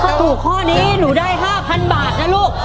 ถ้าถูกข้อนี้หนูได้๕๐๐๐บาทนะลูก